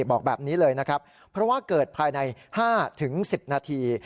บอกแบบนี้เลยนะครับเพราะว่าเกิดภายใน๕๑๐นาที